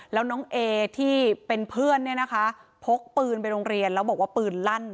แล้วน้องเอที่เป็นเพื่อนเนี่ยนะคะพกปืนไปโรงเรียนแล้วบอกว่าปืนลั่น